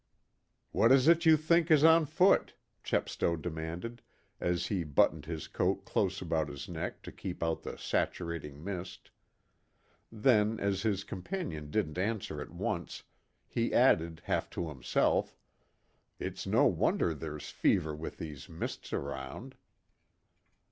"What is it you think is on foot?" Chepstow demanded, as he buttoned his coat close about his neck to keep out the saturating mist. Then, as his companion didn't answer at once, he added half to himself, "It's no wonder there's fever with these mists around."